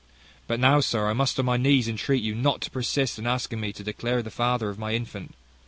But now, sir, I must on my knees entreat you not to persist in asking me to declare the father of my infant.